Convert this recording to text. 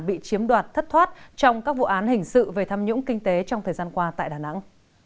bị chiếm đoạt thất thoát trong các vụ án hình sự về tham nhũng kinh tế trong thời gian qua tại đà nẵng